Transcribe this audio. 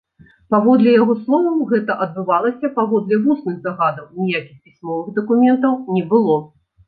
Паводле яго словаў, гэта адбывалася паводле вусных загадаў, ніякіх пісьмовых дакументаў не было.